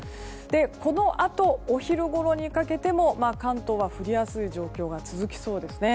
このあと、お昼ごろにかけても関東は降りやすい状況が続きそうです。